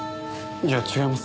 いや違います。